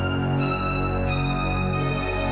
taufan aku ingin tahu